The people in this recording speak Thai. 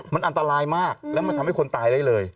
มันอันตรายมากแล้วมันทำให้คนตายได้เลย